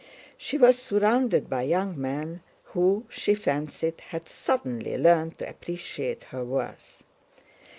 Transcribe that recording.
She was surrounded by young men who, she fancied, had suddenly learned to appreciate her worth.